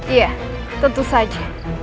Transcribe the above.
iya tentu saja